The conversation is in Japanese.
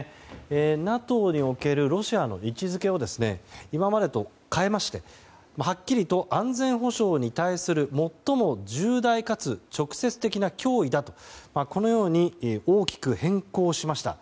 ＮＡＴＯにおけるロシアの位置づけを今までと変えましてはっきりと安全保障に対する最も重大かつ直接的な脅威だとこのように大きく変更しました。